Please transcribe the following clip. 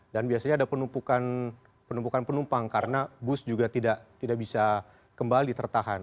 dan biasanya ada penumpukan penumpang karena bus juga tidak bisa kembali tertahan